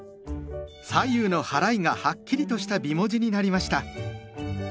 左右のはらいがはっきりとした美文字になりました。